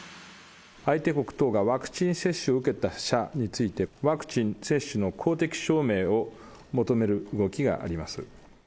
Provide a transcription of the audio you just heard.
相手国等がワクチン接種を受けた者について、ワクチン接種の公的証明を求める動きがあります。